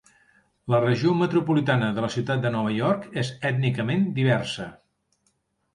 La regió metropolitana de la ciutat de Nova York és ètnicament diversa.